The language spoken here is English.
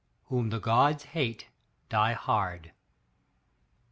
"whom the gods hate die hard."